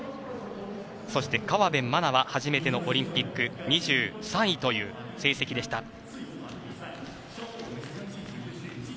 そして河辺愛菜は初めてのオリンピック２３位という成績でした。